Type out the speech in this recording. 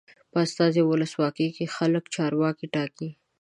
په استازي ولسواکۍ کې خلک چارواکي ټاکي.